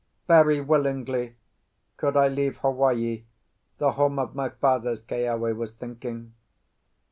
"Very willingly could I leave Hawaii, the home of my fathers," Keawe was thinking.